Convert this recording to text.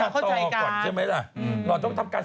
คือวิทยาตอน